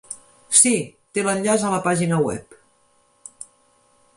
Sí, té l'enllaç a la pàgina web.